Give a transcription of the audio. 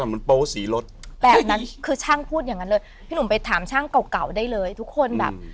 เหมือนโป๊สีรถแบบนั้นคือช่างพูดอย่างนั้นเลยพี่หนุ่มไปถามช่างเก่าเก่าได้เลยทุกคนแบบ